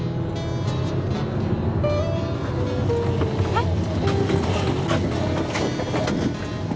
えっ！？